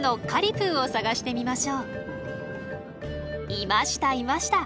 いましたいました。